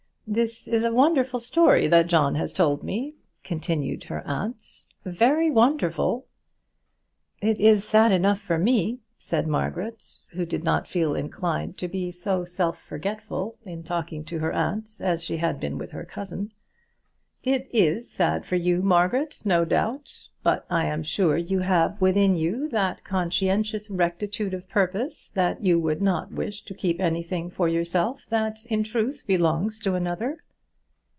"This is a wonderful story that John has told me," continued her aunt "very wonderful." "It is sad enough for me," said Margaret, who did not feel inclined to be so self forgetful in talking to her aunt as she had been with her cousin. "It is sad for you, Margaret, no doubt. But I am sure you have within you that conscientious rectitude of purpose that you would not wish to keep anything for yourself that in truth belongs to another."